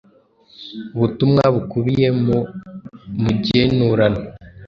Ubutumwa bukubiye mu mugenurano,